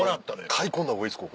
買い込んだ方がいいです